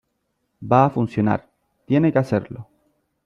va a funcionar . tiene que hacerlo .